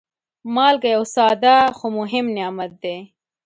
مالګه یو ساده، خو مهم نعمت دی.